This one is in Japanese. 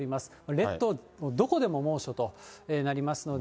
列島、どこでも猛暑となりますので、